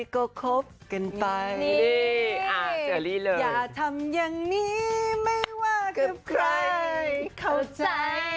ต่อกันเลยด้วยกว่าค่ะ